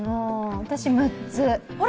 私、６つ。